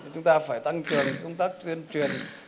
chúng ta phải tăng truyền công tác truyền truyền